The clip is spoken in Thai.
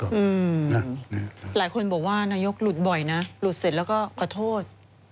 หลายคนบอกว่านายกหลุดบ่อยนะหลุดเสร็จแล้วก็ขอโทษ